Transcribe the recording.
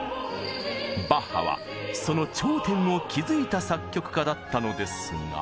バッハはその頂点を築いた作曲家だったのですが。